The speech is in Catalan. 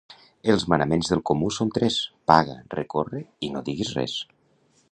Els manaments del comú són tres: paga, recorre i no diguis res.